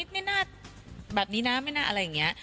ไม่น่าแบบนี้นะไม่น่าอะไรอย่างนี้